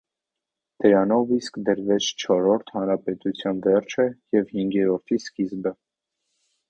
Դրանով իսկ դրվեց չորրորդ հանրապետության վերջը և հինգերորդի սկիզբը։